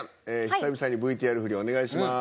久々にＶＴＲ振りをお願いします。